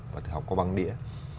và tự học qua băng đĩa